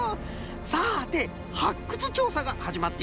さてはっくつちょうさがはじまっているようですよ。